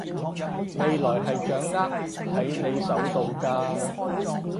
未來係掌握喺你手度㗎